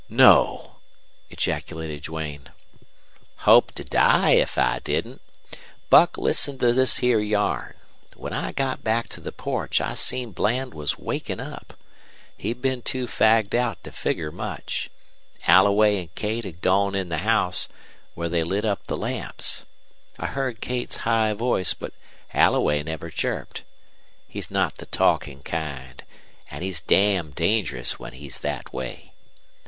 "No!" ejaculated Duane. "Hope to die if I didn't. Buck, listen to this here yarn. When I got back to the porch I seen Bland was wakin' up. He'd been too fagged out to figger much. Alloway an' Kate had gone in the house, where they lit up the lamps. I heard Kate's high voice, but Alloway never chirped. He's not the talkin' kind, an' he's damn dangerous when he's thet way.